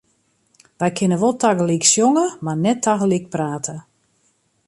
Wy kinne wol tagelyk sjonge, mar net tagelyk prate.